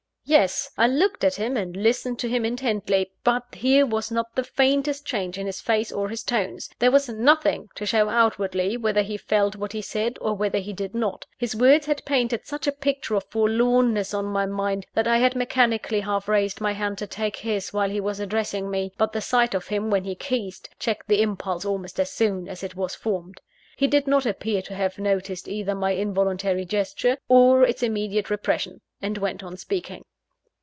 Yes: I looked at him and listened to him intently; but here was not the faintest change in his face or his tones there was nothing to show outwardly whether he felt what he said, or whether he did not. His words had painted such a picture of forlornness on my mind, that I had mechanically half raised my hand to take his, while he was addressing me; but the sight of him when he ceased, checked the impulse almost as soon as it was formed. He did not appear to have noticed either my involuntary gesture, or its immediate repression; and went on speaking.